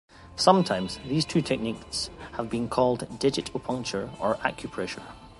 Sometimes, these two techniques have been called digitopuncture or acupressure.